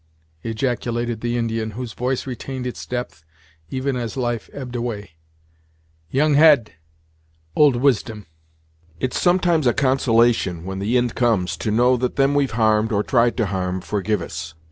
ejaculated the Indian, whose voice retained its depth even as life ebbed away; "young head old wisdom!" "It's sometimes a consolation, when the ind comes, to know that them we've harmed, or tried to harm, forgive us.